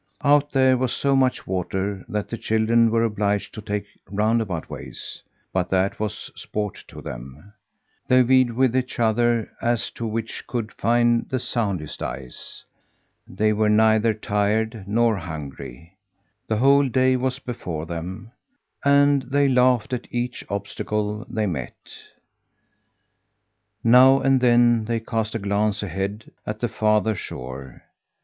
Out there was so much water that the children were obliged to take roundabout ways; but that was sport to them. They vied with each other as to which could find the soundest ice. They were neither tired nor hungry. The whole day was before them, and they laughed at each obstacle they met. Now and then they cast a glance ahead at the farther shore.